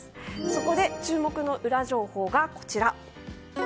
そこで注目のウラ情報がこちら。